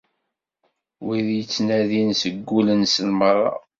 Wid i t-ittnadin seg wul-nsen merra!